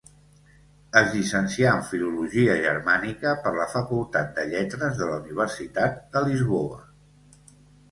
Es llicencià en filologia germànica per la Facultat de Lletres de la Universitat de Lisboa.